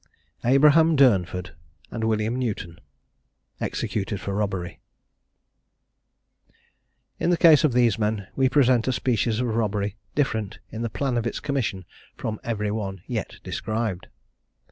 ABRAHAM DURNFORD AND WILLIAM NEWTON. EXECUTED FOR ROBBERY. In the case of these men we present a species of robbery different in the plan of its commission from every one yet described.